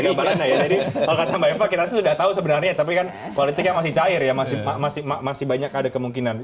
kemana ya jadi kalau kata mbak empa kita sudah tahu sebenarnya tapi kan politiknya masih cair ya masih masih masih banyak ada kemungkinan